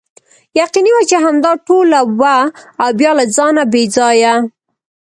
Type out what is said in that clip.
یقیني وه چې همدا ټوله وه او بیا له ځانه بې ځایه.